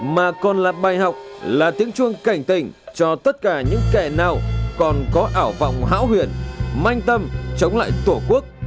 mà còn là bài học là tiếng chuông cảnh tình cho tất cả những kẻ nào còn có ảo vọng hão huyền manh tâm chống lại tổ quốc